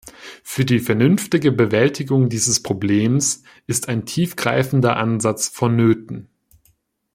Für die vernünftige Bewältigung dieses Problems ist ein tief greifender Ansatz vonnöten.